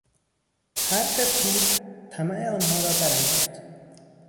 حرف پول طمع آنها را برانگیخت.